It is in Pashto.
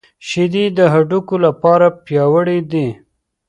شیدې د هډوکو لپاره پياوړې دي